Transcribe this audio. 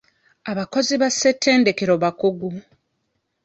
Abakozi ba ssetendekero bakugu.